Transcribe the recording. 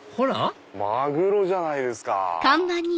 マグロじゃないですか。